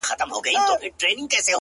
اوس له نړۍ څخه خپه يمه زه _